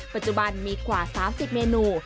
ปัจจุบันมีกว่า๓๐เมนู